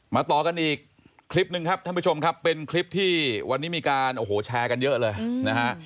ต่อกันอีกคลิปหนึ่งครับท่านผู้ชมครับเป็นคลิปที่วันนี้มีการโอ้โหแชร์กันเยอะเลยนะฮะ